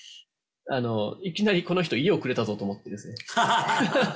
いきなりこの人家をくれたぞと思ってですね。